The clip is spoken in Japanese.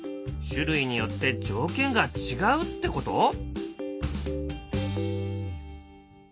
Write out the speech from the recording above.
種類によって条件が違うってこと？